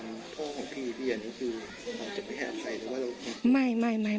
อยากให้เขาตายไปตามพ่อของพี่